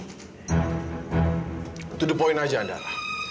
itu poin aja andara